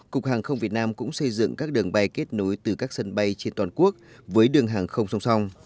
cục hàng không việt nam cũng xây dựng các đường bay kết nối từ các sân bay trên toàn quốc với đường hàng không song song